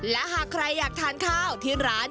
และหากใครอยากทานข้าวที่ร้าน